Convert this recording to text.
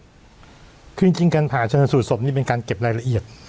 คือจริงการผ่าชนสูตรศพนี่เป็นการเก็บรายละเอียด